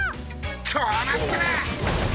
こうなったら！